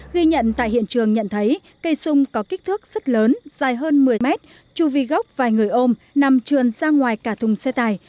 ghi nhận tại hiện trường nhận thấy cây sung có kích thước rất lớn dài hơn một mươi mét chu vi gốc vài người ôm nằm trường ra ngoài cả thùng xe tải